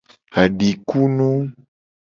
Adikunu.